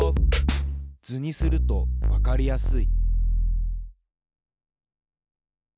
図にするとわかりやすい。